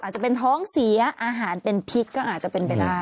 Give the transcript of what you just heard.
อาจจะเป็นท้องเสียอาหารเป็นพิษก็อาจจะเป็นไปได้